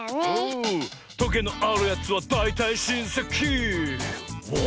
「トゲのあるやつはだいたいしんせきおお」